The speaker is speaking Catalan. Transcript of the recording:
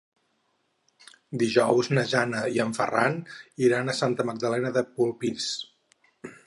Dijous na Jana i en Ferran iran a Santa Magdalena de Polpís.